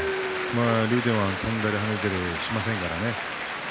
竜電は跳んだり跳ねたりしませんからね。